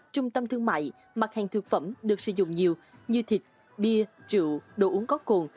trung tâm thương mại mặt hàng thực phẩm được sử dụng nhiều như thịt bia rượu đồ uống có cồn